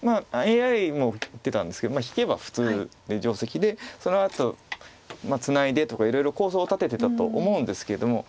ＡＩも言ってたんですけど引けば普通定石でそのあとツナいでとかいろいろ構想を立ててたと思うんですけれども。